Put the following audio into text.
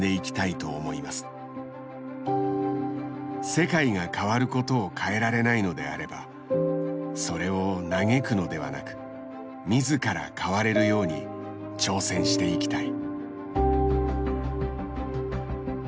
「世界が変わることを変えられないのであればそれを嘆くのではなく自ら変われるように挑戦していきたい」。